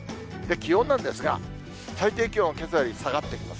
気温なんですが、最低気温、けさより下がってきます。